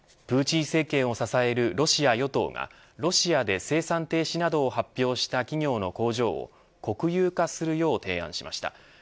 プーチン政権を支えるロシアの与党がロシアで生産停止などを発表した企業の工場を国有化するよう提案しました。